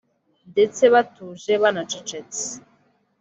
ndetse batuje banacecetse